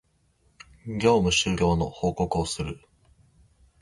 業務終了の報告をする